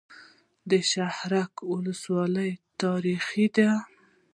د شهرک ولسوالۍ تاریخي ده